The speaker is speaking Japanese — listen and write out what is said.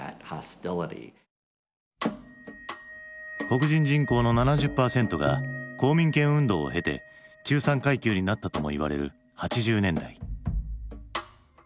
黒人人口の７０％が公民権運動を経て中産階級になったともいわれる８０年代。